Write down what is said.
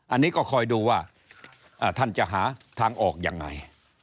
อันนี้ก็คอยดูว่าท่านจะหาทางออกยังไง